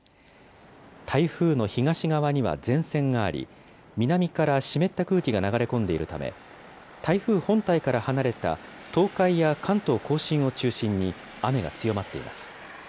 台風の東側には前線があり、南から湿った空気が流れ込んでいるため、台風本体から離れた東海や関東甲信を中心に雨が強まっています。